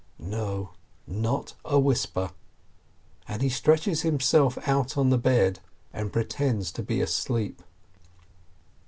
No, not a whisper ! And he stretches himself out on the bed, and pretends to be asleep.